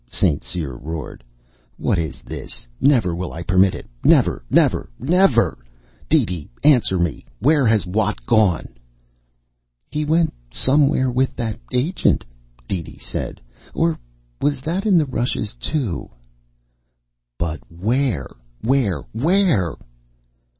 St. Cyr roared. "What is this? Never will I permit it, never, never, never! DeeDee, answer me where has Watt gone?" "He went somewhere with that agent," DeeDee said. "Or was that in the rushes too?" "But where, where, where?"